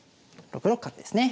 ６六角ですね。